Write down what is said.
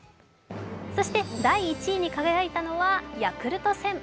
そして第１位に輝いたのはヤクルト１０００。